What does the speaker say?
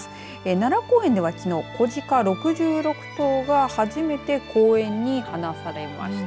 奈良公園ではきのう子鹿６６頭が初めて公園に放されました。